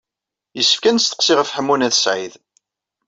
Yessefk ad nesseqsi ɣef Ḥemmu n At Sɛid.